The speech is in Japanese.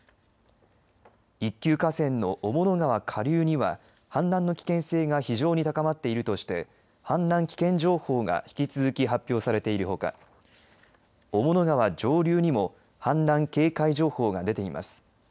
一級河川の雄物川下流には氾濫の危険性が非常に高まっているとして氾濫危険情報が引き続き発表されているほか雄物川上流にも氾濫危険情報が出ています。